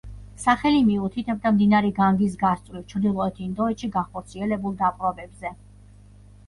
სახელი მიუთითებდა მდინარე განგის გასწვრივ, ჩრდილოეთ ინდოეთში განხორციელებულ დაპყრობებზე.